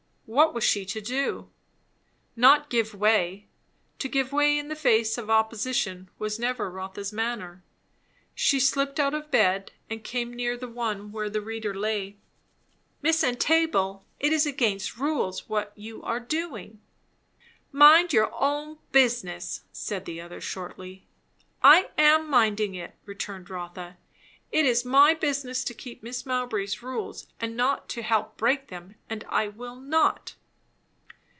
What was she to do? Not give way. To give way in the face of opposition was never Rotha's manner. She slipped out of bed and came near the one where the reader lay. "Miss Entable, it is against rules, what you are doing." "Mind your own business," said the other shortly. "I am minding it," returned Rotha. "It is my business to keep Mrs. Mowbray's rules, and not to help break them; and I will not."